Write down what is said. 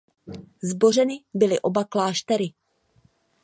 Zbořeny byly oba kláštery.